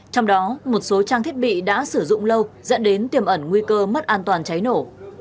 trong đó một số trang thiết bị đã sử dụng lâu dẫn đến tiềm ẩn nguy cơ mất an toàn cháy nổ